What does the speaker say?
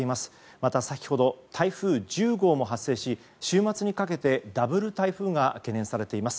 また先ほど台風１０号も発生し週末にかけてダブル台風が懸念されています。